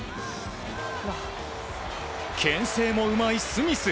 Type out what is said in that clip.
牽制もうまい、スミス。